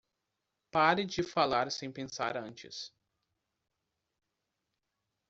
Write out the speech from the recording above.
Pare de falar sem pensar antes.